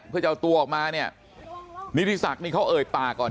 เพื่อจะเอาตัวออกมาเนี่ยนิธิศักดิ์นี่เขาเอ่ยปากก่อน